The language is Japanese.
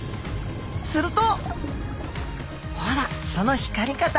するとほらその光り方。